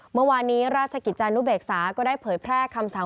เมื่อวานนี้ราชกิจจานุเบกษาก็ได้เผยแพร่คำสั่ง